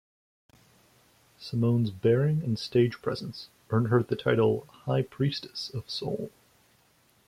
Simone's bearing and stage presence earned her the title "High Priestess of Soul".